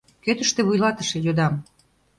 — Кӧ тыште вуйлатыше? — йодам.